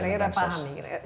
kira kira paham nih